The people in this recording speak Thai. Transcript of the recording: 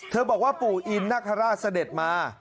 เธอบอกว่าปู่อินนักฮราชเสด็จมา